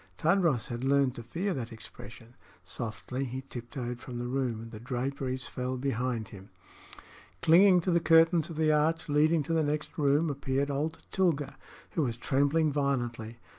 Tadros had learned to fear that expression. Softly he tiptoed from the room, and the draperies fell behind him. Clinging to the curtains of the arch leading to the next room, appeared old Tilga, who was trembling violently.